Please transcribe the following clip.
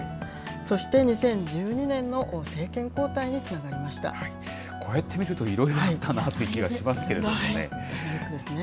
そして２０１２年の政権交代につこうやって見ると、いろいろあったなという気がしますけれどもね。